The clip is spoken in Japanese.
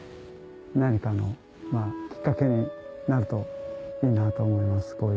何かのきっかけになるといいなと思います。